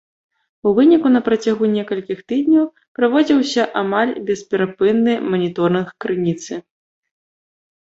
У выніку на працягу некалькіх тыдняў праводзіўся амаль бесперапынны маніторынг крыніцы.